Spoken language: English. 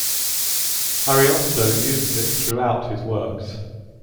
Ariosto uses it throughout his works.